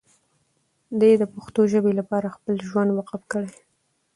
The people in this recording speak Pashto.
دی د پښتو ژبې لپاره خپل ژوند وقف کړی.